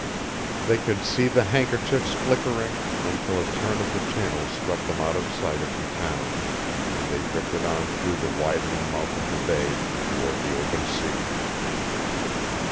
They could see the handkerchiefs flickering, until a turn of the channel swept them out of sight of the town, and they drifted on through the widening mouth of the bay, toward the open sea.